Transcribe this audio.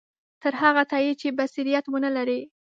تر هغه تایید چې بصیرت ونه لري.